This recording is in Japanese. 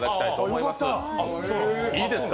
いいですか？